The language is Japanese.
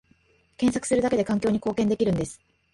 検索するだけで環境に貢献できるんです